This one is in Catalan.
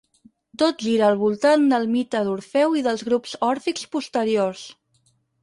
Tot gira al voltant del mite d'Orfeu i dels grups òrfics posteriors.